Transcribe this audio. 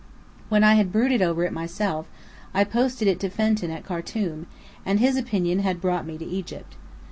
When I had brooded over it myself, I posted it to Fenton at Khartum; and his opinion had brought me to Egypt.